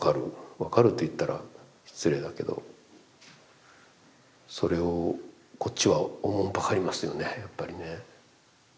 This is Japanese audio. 分かると言ったら失礼だけどそれをこっちはおもんぱかりますよねやっぱりね。